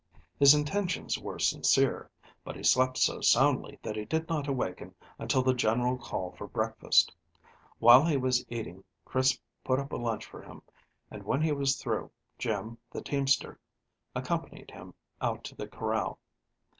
His intentions were sincere, but he slept so soundly that he did not awaken until the general call for breakfast. While he was eating Chris put up a lunch for him, and, when he was through, Jim, the teamster, accompanied him out to the corral.